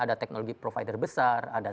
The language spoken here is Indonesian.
ada teknologi provider besar ada